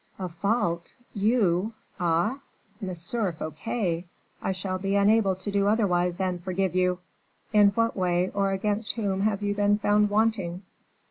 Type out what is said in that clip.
"A fault! You! Ah! Monsieur Fouquet, I shall be unable to do otherwise than forgive you. In what way or against whom have you been found wanting?"